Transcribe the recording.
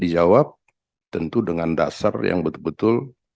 dijawab tentu dengan dasar yang betul betul